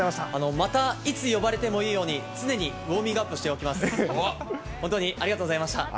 またいつ呼ばれてもいいように、常にウォーミングアップしておきます。